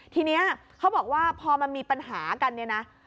ทีนี้เขาบอกว่าพอมันมีปัญหากันเนี่ยนะ